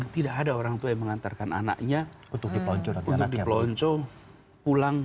tidak ada orang tua yang mengantarkan anaknya untuk dipelonco pulang